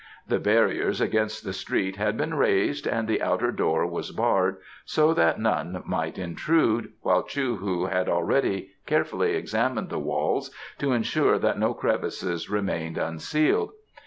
The barriers against the street had been raised and the outer door was barred so that none might intrude, while Chou hu had already carefully examined the walls to ensure that no crevices remained unsealed.